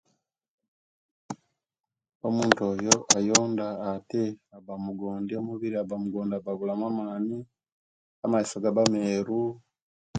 Omuntu oyo ayonda ate aba mugondi omubiri aba mugondi aba abulamu amaani amaiso gaba meeru